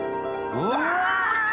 うわ。